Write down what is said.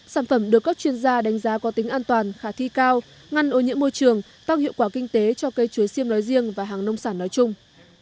sản phẩm được các chuyên gia đánh giá có tính an toàn khả thi cao ngăn ô nhiễm môi trường tăng hiệu quả kinh tế cho cây chuối xiêm nói riêng và hàng nông sản nói chung